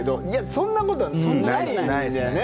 そんなことはないんだよね